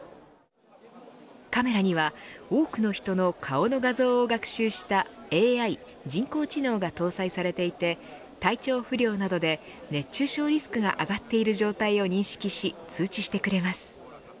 カメラには多くの人の顔の画像を学習したＡＩ人工知能が搭載されていて体調不良などで熱中症リスクが上がっている状態を認識し通知してくれます。